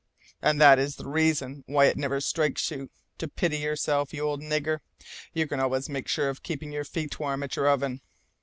"And that is the reason why it never strikes you to pity yourself, you old nigger! You can always make sure of keeping your feet warm at your oven!"